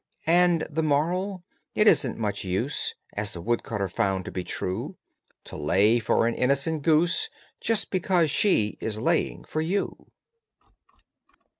And THE MORAL: It isn't much use, As the woodcutter found to be true, To lay for an innocent goose Just because she is laying for you.